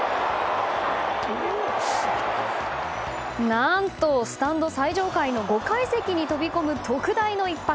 何とスタンド最上階の５階席に飛び込む特大の一発。